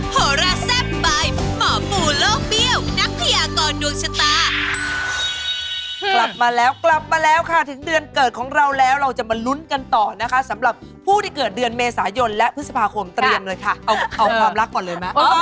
กลับมาแล้วกลับมาแล้วค่ะถึงเดือนเกิดของเราแล้วเราจะมาลุ้นกันต่อนะคะสำหรับผู้ที่เกิดเดือนเมษายนและพฤษภาคมเตรียมเลยค่ะเอาความรักก่อนเลยมั้ย